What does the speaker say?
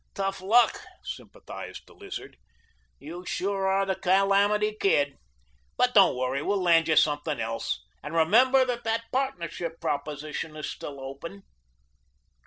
"Tough luck," sympathized the Lizard. "You sure are the Calamity Kid. But don't worry, we'll land you something else. And remember that that partnership proposition is still open."